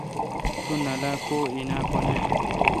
تو نالا کو این اؘ کو نہ۔